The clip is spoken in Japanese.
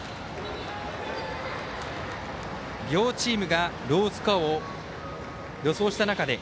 両チームがロースコアを予想した中で